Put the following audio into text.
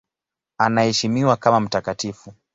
Anaheshimiwa kama mtakatifu.